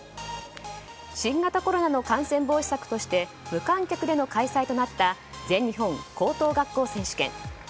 新型コロナの感染防止策として無観客での開催となった全日本高等学校選手権。